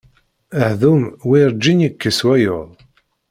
Ahdum werǧin yekkis wayeḍ.